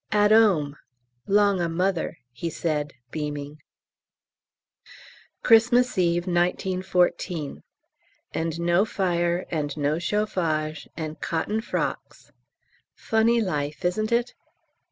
"At 'ome, 'long o' Mother," he said, beaming. Xmas Eve, 1914. And no fire and no chauffage, and cotton frocks; funny life, isn't it?